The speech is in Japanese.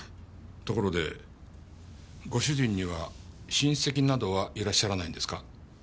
ところでご主人には親戚などはいらっしゃらないんですか？